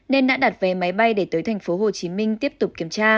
nên đã đặt vé máy bay để tới tp hcm tiếp tục kiểm tra